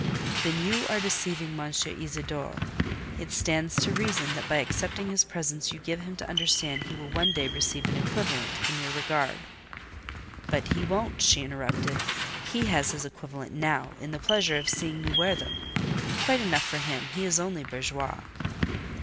"Then you are deceiving M. Isidore. It stands to reason that by accepting his presents you give him to understand he will one day receive an equivalent, in your regard…" "But he won't," she interrupted: "he has his equivalent now, in the pleasure of seeing me wear them—quite enough for him: he is only bourgeois."